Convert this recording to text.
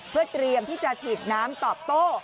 เพื่อเตรียมที่จะฉีดน้ำตอบโต้